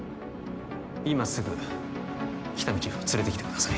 今すぐ喜多見チーフを連れてきてください